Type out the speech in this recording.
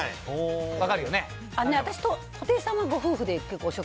私、布袋さん、ご夫婦で。